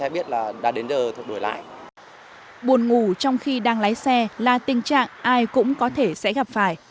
buồn ngủ trong khi đang lái xe là tình trạng ai cũng có thể sẽ gặp phải